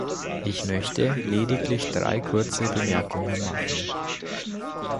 Ich möchte lediglich drei kurze Bemerkungen machen.